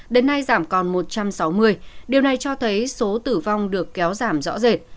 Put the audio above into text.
đến nay giảm còn một trăm sáu mươi điều này cho thấy số tử vong được kéo giảm rõ rệt